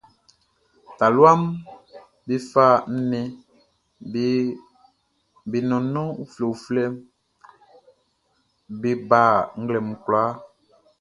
Taluaʼm be fa nnɛnʼm be nɔnnɔn uflɛuflɛʼn be ba nglɛmun kwlaa.